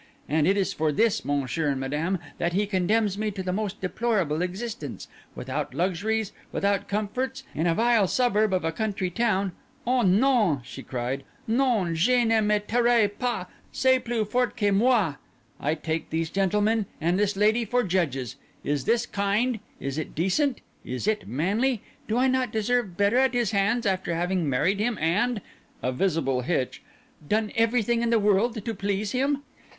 And it is for this, Monsieur and Madame, that he condemns me to the most deplorable existence, without luxuries, without comforts, in a vile suburb of a country town. O non!" she cried, "non—je ne me tairai pas—c'est plus fort que moi! I take these gentlemen and this lady for judges—is this kind? is it decent? is it manly? Do I not deserve better at his hands after having married him and"—(a visible hitch)—"done everything in the world to please him."